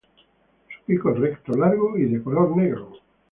Su pico es recto, largo y de color negro.